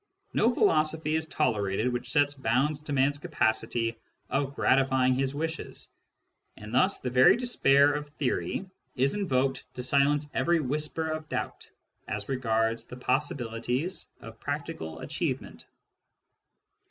No philosophy is tolerated which sets bounds to man's capacity of gratify ing his wishes ; and thus the very despair of theory is invoked to silence every whisper of doubt as regards the possibilities of practical achievement.